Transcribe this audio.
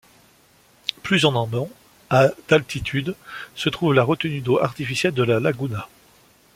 Plus en amont, à d'altitude, se trouve la retenue d'eau artificielle de La Laguna.